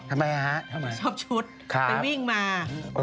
ทำไมฮะทำไมฮะชอบชุดเป็นวิ่งมาครับ